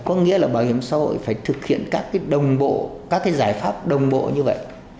có nghĩa là bảo hiểm xã hội phải thực hiện các cái đồng bộ các cái giải pháp đồng bộ như vậy